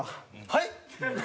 はい？